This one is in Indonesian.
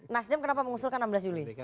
nasdem kenapa mengusulkan enam belas juli